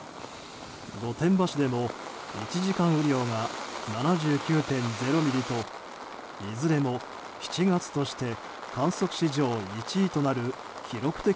御殿場市でも１時間雨量が７９．０ミリといずれも７月として観測史上１位となる記録的